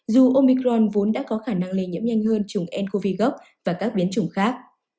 dù omicron vốn đã có khả năng lây nhiễm nhanh hơn trùng ncov gốc và các biến trùng khác